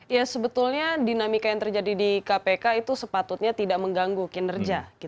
ya sebetulnya dinamika yang terjadi di kpk itu sepatutnya tidak mengganggu kinerja